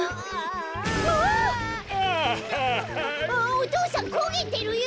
お父さんこげてるよ！